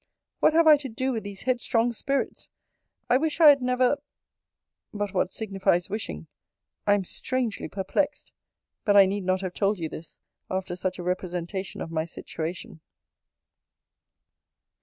What have I to do with these headstrong spirits? I wish I had never but what signifies wishing? I am strangely perplexed: but I need not have told you this, after such a representation of my situation.